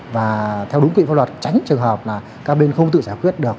và theo đúng quy pháp luật tránh trường hợp là các bên không tự giải quyết được